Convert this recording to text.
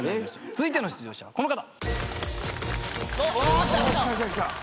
続いての出場者はこの方。